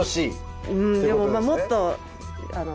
でももっと。